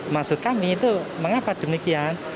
maksud kami itu mengapa demikian